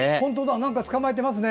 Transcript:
何か捕まえてますね。